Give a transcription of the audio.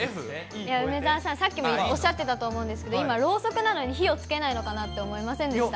梅澤さん、さっきもおっしゃってたと思うんですけど、今、ろうそくなのに火をつけないのかなって思いませんでした？